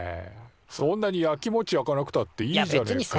そんなにヤキモチやかなくたっていいじゃねえかよ。